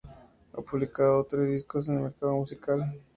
Ha publicado tres discos en el mercado musical.